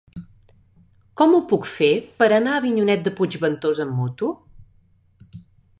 Com ho puc fer per anar a Avinyonet de Puigventós amb moto?